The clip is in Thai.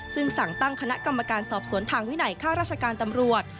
ซึ่งสั่งตั้งคณะกรรมการสอบสวนทางวินัยค่าราชการตำรวจ